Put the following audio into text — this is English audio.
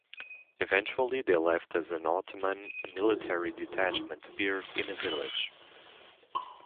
Eventually they left as an Ottoman military detachment appeared in the village.